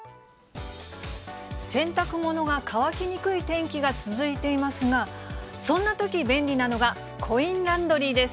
洗濯物が乾きにくい天気が続いていますが、そんなとき便利なのがコインランドリーです。